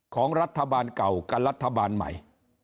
ของรัฐบาลเก่ากับรัฐบาลใหม่